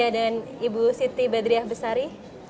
dan ibu siti badriah besari